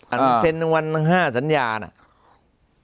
อันเซ็นวันทั้ง๕สัญญาเนี่ย